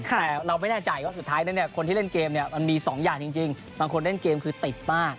แต่เราไม่แน่ใจว่าสุดท้ายแล้วเนี่ยคนที่เล่นเกมเนี่ยมันมี๒อย่างจริงบางคนเล่นเกมคือติดมาก